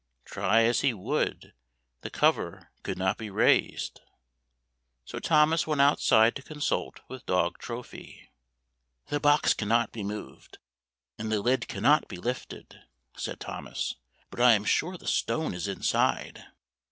Try as he would, the cover could not be raised. So Thomas went outside to consult with dog Trophy. " The box cannot be moved, and the lid caiinot be lifted," said Thomas. " But I am sure the stone is inside."